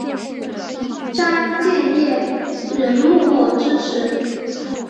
詹建业仍默默支持。